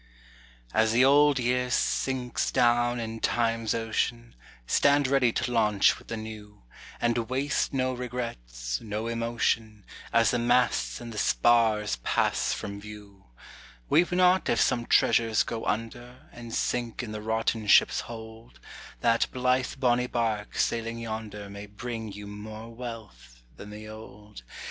As the old year sinks down in Time's ocean, Stand ready to launch with the new, And waste no regrets, no emotion, As the masts and the spars pass from view. Weep not if some treasures go under, And sink in the rotten ship's hold, That blithe bonny barque sailing yonder May bring you more wealth than the old.